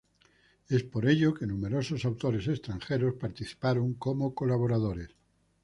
Es por ello que numerosos autores extranjeros participaron como colaboradores.